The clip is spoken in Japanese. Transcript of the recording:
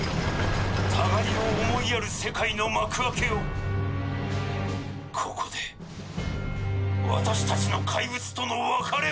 「互いを思いやる世界の幕開けをここで私たちの怪物との別れを」。